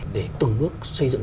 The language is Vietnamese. để từng bước xây dựng